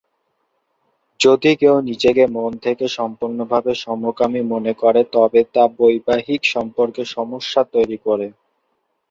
যদি কেও নিজেকে মন থেকে সম্পুর্ণভাবে সমকামী মনে করে, তবে তা বৈবাহিক সম্পর্কে সমস্যা তৈরী করে।